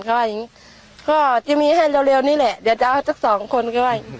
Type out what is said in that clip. เค้าก็ถามว่าจะมีข่าวดีวันไหน